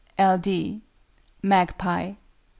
L. D. MAGPIE.